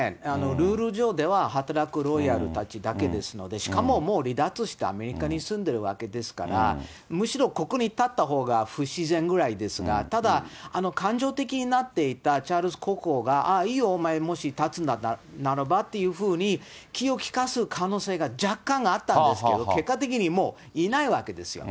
ルール上では、働くロイヤルたちだけですので、しかももう離脱して、アメリカに住んでるわけですから、むしろここに立ったほうが不自然ぐらいですが、ただ、感情的になっていたチャールズ国王が、ああいいよ、お前、もし立つんだったならばっていうふうに、気を利かす可能性が若干あったんですけど、結果的にもういないわけですよ。